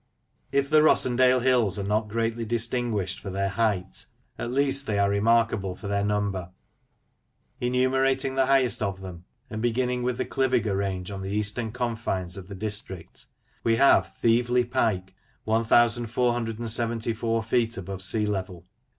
If the Rossendale hills are not greatly distinguished for their height, at least they are remarkable for their number. Enumerating the highest of them, and beginning with the Cliviger range on the eastern confines of the district, we have Thieveley Pike, 1474 feet above sea level.